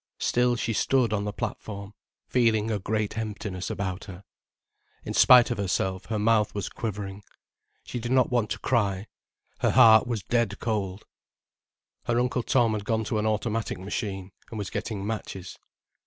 Still she stood on the platform, feeling a great emptiness about her. In spite of herself her mouth was quivering: she did not want to cry: her heart was dead cold. Her Uncle Tom had gone to an automatic machine, and was getting matches.